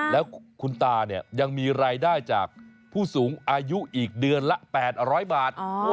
แล้วคุณตาเนี่ยยังมีรายได้จากผู้สูงอายุอีกเดือนละ๘๐๐บาท